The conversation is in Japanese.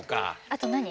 あと何？